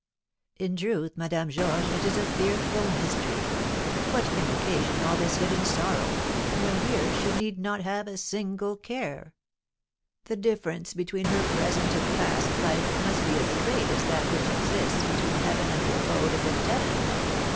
"In truth, Madame Georges, it is a fearful mystery; what can occasion all this hidden sorrow, when here she need not have a single care? The difference between her present and past life must be as great as that which exists between heaven and the abode of the damned.